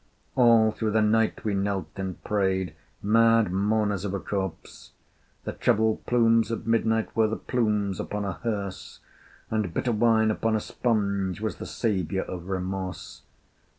All through the night we knelt and prayed, Mad mourners of a corpse! The troubled plumes of midnight were The plumes upon a hearse: And bitter wine upon a sponge Was the savior of Remorse.